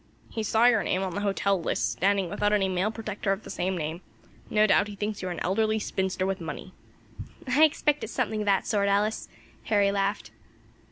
He saw your name on the hotel list standing without any male protector of the same name. No doubt he thinks you are an elderly spinster with money." "I expect it's something of that sort, Alice," Harry laughed.